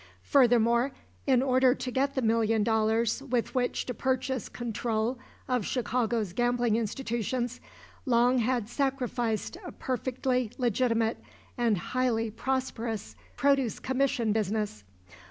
Furthermore, in order to get the million dollars with which to purchase control of Chicago's gambling institutions Long had sacrificed a perfectly legitimate and highly prosperous produce commission business.